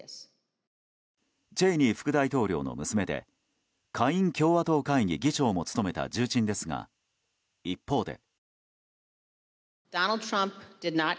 チェイニー副大統領の娘で下院共和党会議議長も務めた重鎮ですが、一方で。